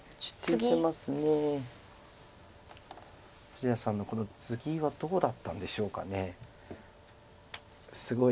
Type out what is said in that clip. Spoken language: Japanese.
富士田さんのこのツギはどうだったんでしょうか。